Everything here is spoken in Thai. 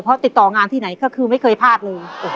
เพราะติดต่องานที่ไหนก็คือไม่เคยพลาดเลย